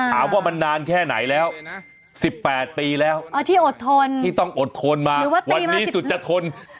ถามว่ามันนานแค่ไหนแล้ว๑๘ปีแล้วที่อดทนที่ต้องอดทนมาวันนี้สุดจะทน